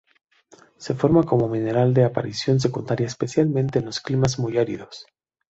Se forma como mineral de aparición secundaria especialmente en los climas muy áridos.